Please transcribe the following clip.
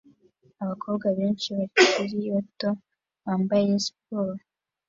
Abakobwa benshi bakiri bato bambaye siporo